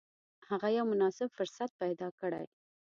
هغه یو مناسب فرصت پیدا کړي.